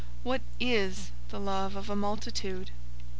what is the love of the multitude?